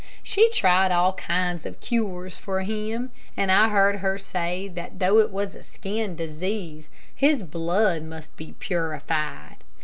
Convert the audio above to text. She tried all kind of cures for him, and I heard her say that though it was a skin disease, his blood must be purified.